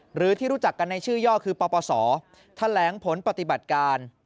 หรือที่รู้จักกันในชื่อย่อคือปปศแถลงผลปฏิบัติการ